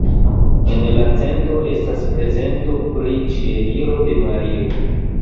En la centro estas prezento pri Ĉieliro de Maria.